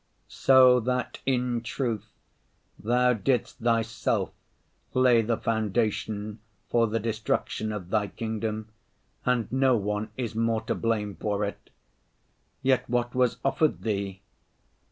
" 'So that, in truth, Thou didst Thyself lay the foundation for the destruction of Thy kingdom, and no one is more to blame for it. Yet what was offered Thee?